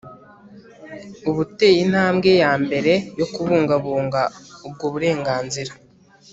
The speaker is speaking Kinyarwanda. uba uteye intambwe ya mbere yo kubungabunga ubwo uburenganzira